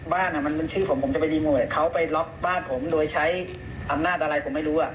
บ้านมันเป็นชื่อผมผมจะไปรีโมทเขาไปล็อกบ้านผมโดยใช้อำนาจอะไรผมไม่รู้